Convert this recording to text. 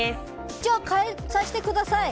じゃあ、変えさせてください。